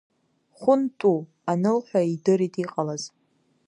Хәынту анылҳәа идырит иҟалаз.